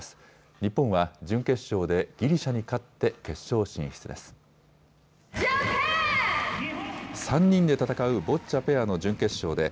日本は準決勝でギリシャに勝って決勝進出です。